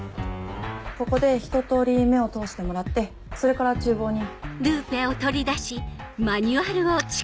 ここでひと通り目を通してもらってそれから厨房に。